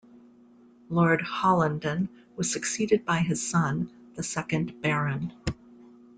Lord Hollenden was succeeded by his son, the second Baron.